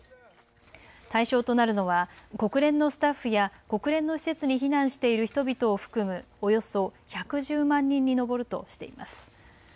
対象となるのは国連のスタッフや国連の施設に避難している人々を含むおよそ１１０万人に上るとしています。